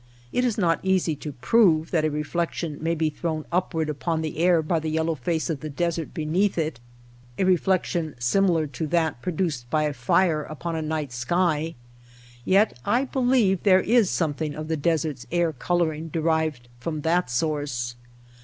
It is not easy to prove that a reflection may be thrown upward upon the air by the yellow face of the desert beneath it — a reflection similar to that produced by a fire upon a night sky — yet I believe there is something of the desert's air coloring derived from that source.